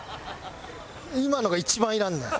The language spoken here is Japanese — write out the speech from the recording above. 今のが一番いらんねん。